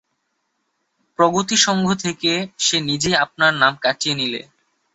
প্রগতিসংঘ থেকে সে নিজেই আপনার নাম কাটিয়ে নিলে।